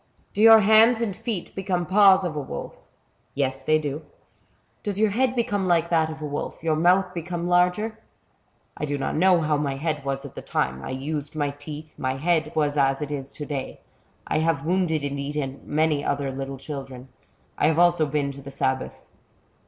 " Do your hands and feet become paws of a wolf ?"" Yes, they do." " Does your head become like that of a wolf — your mouth become larger ?" I do not know how my head was at the time; I used my teeth ; my head was as it is to day. I have wounded and eaten many other little children ; I have also been to the sabbath."